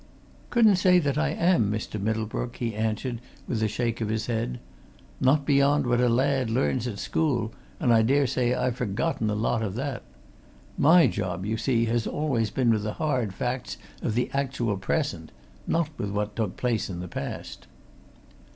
"Couldn't say that I am, Mr. Middlebrook," he answered with a shake of his head. "Not beyond what a lad learns at school and I dare say I've forgotten a lot of that. My job, you see, has always been with the hard facts of the actual present not with what took place in the past."